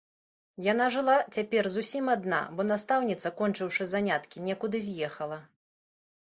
Яна жыла цяпер зусім адна, бо настаўніца, кончыўшы заняткі, некуды з'ехала.